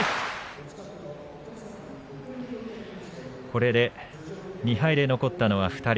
これで２敗で残ったのは２人。